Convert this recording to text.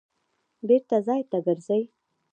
بېرته ځای ته ګرځي.